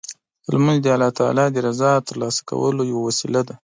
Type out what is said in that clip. لمونځ د الله تعالی د رضا ترلاسه کولو یوه وسیله ده.